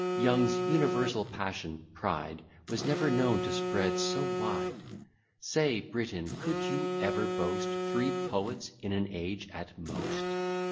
Young's universal passion, pride, Was never known to spread so wide. Say, Britain, could you ever boast Three poets in an age at most?